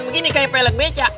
begini kayak pelek becak